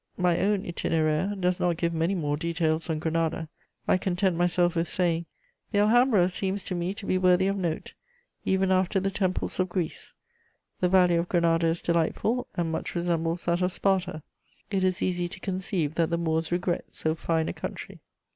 My own Itinéraire does not give many more details on Granada; I content myself with saying: "The Alhambra seems to me to be worthy of note, even after the temples of Greece. The valley of Granada is delightful, and much resembles that of Sparta: it is easy to conceive that the Moors regret so fine a country."